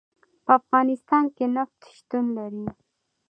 په افغانستان کې نفت شتون لري.